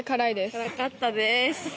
辛かったです。